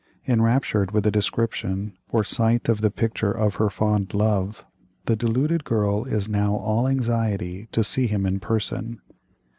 "Enraptured with a description, or sight of the picture of her fond love, the deluded girl is now all anxiety to see him in person.